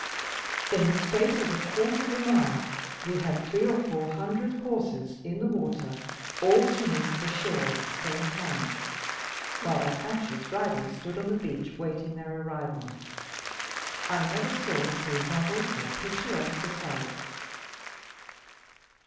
In the space of a quarter of a mile we had three or four hundred horses in the water, all swimming for the shore at the same time; while their anxious riders stood on the beach waiting their arrival. I never saw so novel or picturesque a sight.